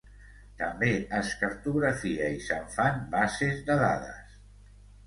També es cartografia i se'n fan bases de dades.